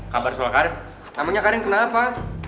kabar soal karin namanya karin kenapa